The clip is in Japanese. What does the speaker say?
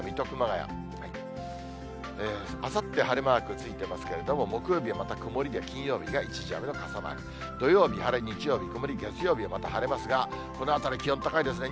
あさって晴れマークついてますけれども、木曜日はまた曇りで、金曜日が一時雨の傘マーク、土曜日、晴れ、日曜日、曇り、月曜日はまた晴れますが、このあたり、気温高いですね。